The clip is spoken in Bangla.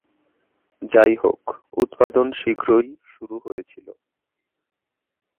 যাইহোক, উৎপাদন শীঘ্রই শুরু হয়েছিল।